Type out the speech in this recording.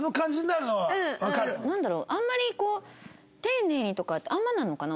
丁寧にとかってあんまなのかな？